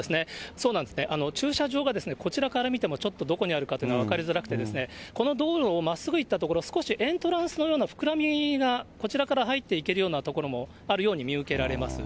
そうなんですね、駐車場がこちらから見ても、ちょっとどこにあるかというのは分かりづらくて、この道路をまっすぐ行った所、少しエントランスのようなふくらみが、こちらから入っていけるような所もあるように見受けられます。